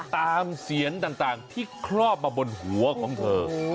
เสียนต่างที่ครอบมาบนหัวของเธอ